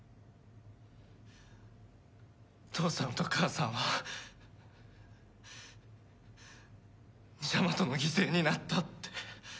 父さんと母さんはジャマトの犠牲になったって。